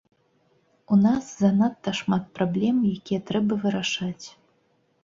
У нас занадта шмат праблем, якія трэба вырашаць.